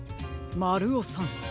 まるおさん。